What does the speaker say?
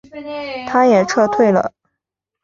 他也撤退了。